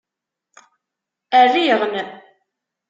Rriɣ-n.